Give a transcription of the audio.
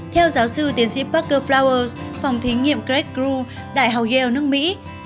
theo giáo sư tiến sĩ parker flowers phòng thí nghiệm craig grew đại học yale nước mỹ